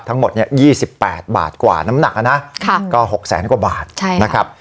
ทั้งหมดเนี้ยยี่สิบแปดบาทกว่าน้ำหนักอ่ะนะครับก็หกแสนกว่าบาทใช่นะครับ